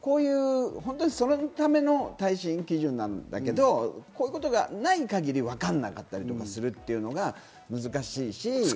そのための耐震基準なんだけど、こういうことがない限りわかんなかったりするっていうのが難しいし。